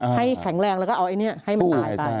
แข็งแรงแล้วก็เอาไอ้นี้ให้มันตายไป